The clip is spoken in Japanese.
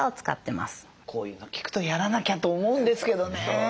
こういうの聞くとやらなきゃと思うんですけどね。